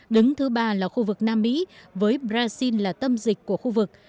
đứng thứ ba là khu vực nam mỹ với brazil là tâm dịch của khu vực